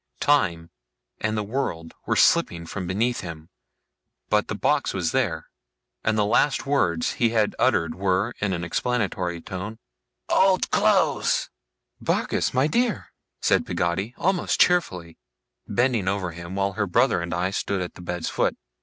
Time and the world were slipping from beneath him, but the box was there; and the last words he had uttered were (in an explanatory tone) 'Old clothes!' 'Barkis, my dear!' said Peggotty, almost cheerfully: bending over him, while her brother and I stood at the bed's foot.